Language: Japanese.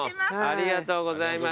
ありがとうございます。